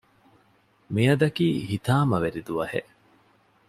މިއަދަކީ ހިތާމަވެރި ދުވަހެއް